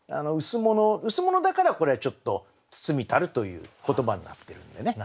羅だからこれはちょっと「包みたる」という言葉になっているんでね。